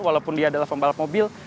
walaupun dia adalah pembalap mobil